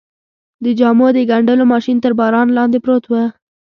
د جامو ګنډلو ماشین تر باران لاندې پروت و.